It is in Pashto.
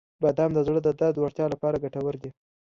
• بادام د زړه د دردو وړتیا لپاره ګټور دي.